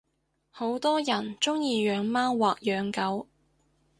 好多人鐘意養貓或養狗